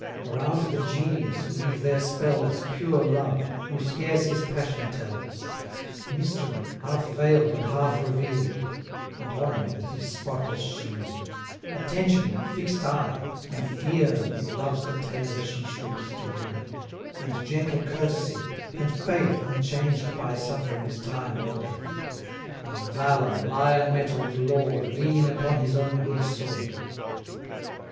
Around the Genius weave their spells, 300 Pure Love, who scarce his passion tells; Mystery, half veil'd and half reveal'd; And Honour, with his spotless shield; Attention, with fix'd eye; and Fear, That loves the tale she shrinks to hear; 305 And gentle Courtesy; and Faith, Unchanged by sufferings, time, or death; And Valour, lion mettled lord, Leaning upon his own good sword.